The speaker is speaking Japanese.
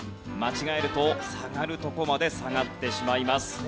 間違えると下がるとこまで下がってしまいます。